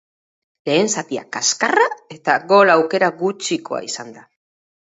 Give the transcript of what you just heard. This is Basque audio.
Lehen zatia kaskarra eta gol aukera gutxikoa izan da.